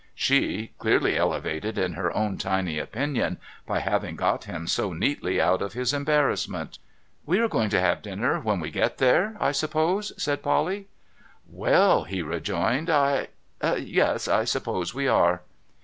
She, clearly elevated in her own tiny opinion by having got him so neatly out of his embarrassment. ' We are going to have dinner when we get there, I suppose ?' said Poll}'. ' Well,' he rejoined, ' I Yes, I suppose we are.'